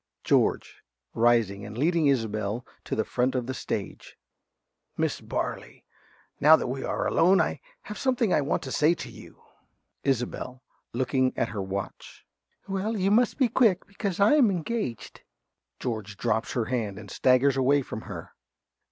_) ~George~ (rising and leading Isobel to the front of the stage). Miss Barley, now that we are alone I have something I want to say to you. ~Isobel~ (looking at her watch). Well, you must be quick. Because I'm engaged. (_George drops her hand and staggers away from her.